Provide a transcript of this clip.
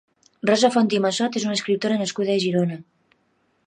Rosa Font i Massot és una escriptora nascuda a Girona.